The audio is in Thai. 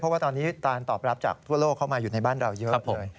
เพราะว่าตอนนี้การตอบรับจากทั่วโลกเข้ามาอยู่ในบ้านเราเยอะเลย